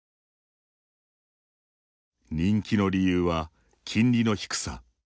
人気の理由は、金利の低さ。